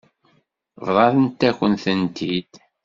Bḍant-akent-tent-id.